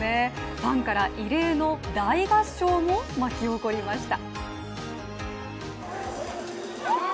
ファンから異例の大合唱も巻き起こりました。